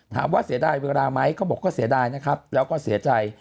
เสียดายเวลาไหมเขาบอกก็เสียดายนะครับแล้วก็เสียใจ